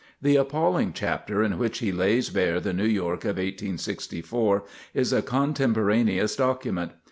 The appalling chapter in which he lays bare the New York of 1864 is a contemporaneous document.